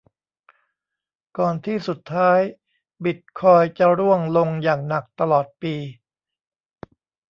ก่อนที่สุดท้ายบิตคอยน์จะร่วงลงอย่างหนักตลอดปี